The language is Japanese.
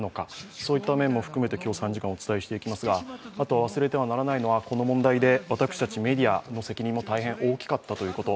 そういった面も含めて今日３時間お伝えしていきますが、あと忘れてはならないのはこの問題で私たちメディアの責任も大変大きかったということ。